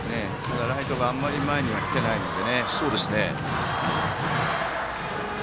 ライトがあまり前には来てないので。